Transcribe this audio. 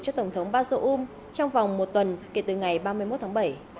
cho tổng thống bazoum trong vòng một tuần kể từ ngày ba mươi một tháng bảy